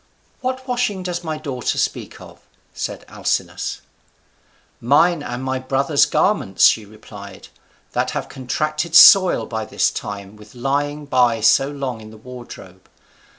"What washing does my daughter speak of?" said Alcinous. "Mine and my brothers' garments," she replied, "that have contracted soil by this time with lying by so long in the wardrobe.